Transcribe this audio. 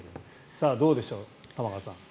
さあ、どうでしょう、玉川さん。